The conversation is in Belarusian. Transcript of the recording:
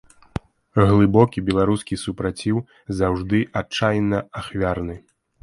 Глыбокі беларускі супраціў заўжды адчайна ахвярны.